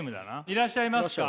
いらっしゃいますか？